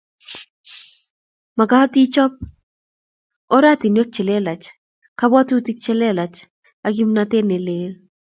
Magat ichopot ak orantiwek che lelach kabwatutik che lelach ak kimnatet ne lel